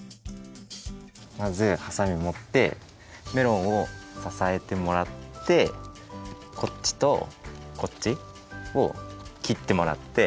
まずハサミもってメロンをささえてもらってこっちとこっちをきってもらって。